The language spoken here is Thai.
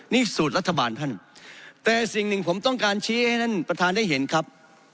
นี่สูตรรัฐบาลท่านแต่สิ่งหนึ่งผมต้องการชี้ให้ท่านประธานได้เห็นครับ